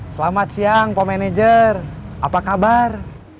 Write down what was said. selamat siang pak manajer apa kabar